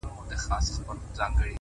ماخو ستا غمونه ځوروي گلي ‘